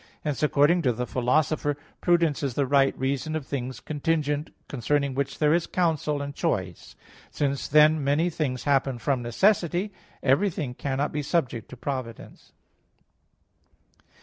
Hence, according to the Philosopher (Ethic. vi, 5, 9, 10, 11): "Prudence is the right reason of things contingent concerning which there is counsel and choice." Since, then, many things happen from necessity, everything cannot be subject to providence.